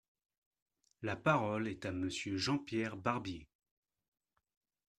La parole est à Monsieur Jean-Pierre Barbier.